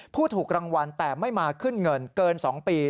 ผู้ถูกรางวัลแต่ไม่มาขึ้นเงินเกิน๒ปี